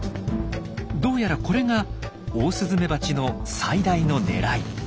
どうやらこれがオオスズメバチの最大の狙い。